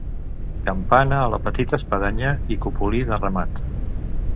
Campana a la petita espadanya i cupulí de remat.